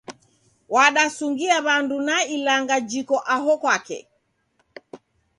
Wadasungia w'andu na ilanga jiko aho kwake